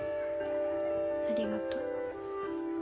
ありがとう。